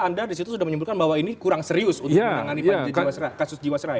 anda disitu sudah menyimpulkan bahwa ini kurang serius untuk menangani kasus jiwa seraya